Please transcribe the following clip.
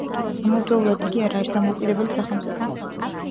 ამავდროულად იგი არ არის დამოუკიდებელი სახელმწიფო.